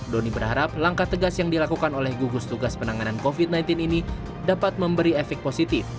doni berharap langkah tegas yang dilakukan oleh gugus tugas penanganan covid sembilan belas ini dapat memberi efek positif